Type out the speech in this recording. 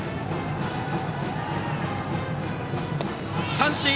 三振！